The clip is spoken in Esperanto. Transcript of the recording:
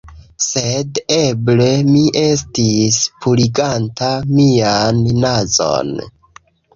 Sed eble mi estis puriganta mian nazon